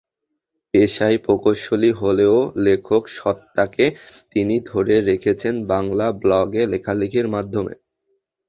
পেশায় প্রকৌশলী হলেও লেখক সত্তাকে তিনি ধরে রেখেছেন বাংলা ব্লগে লেখালেখির মাধ্যমে।